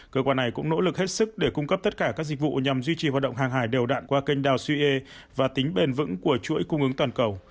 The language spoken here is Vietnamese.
cơ quan này cũng nỗ lực hết sức để cung cấp tất cả các dịch vụ nhằm duy trì hoạt động hàng hải đều đạn qua kênh đào ce và tính bền vững của chuỗi cung ứng toàn cầu